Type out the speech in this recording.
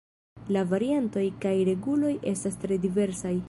La variantoj kaj reguloj estas tre diversaj.